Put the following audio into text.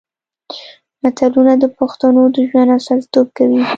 متلونه د پښتنو د ژوند استازیتوب کوي